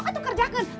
kok itu kerja kan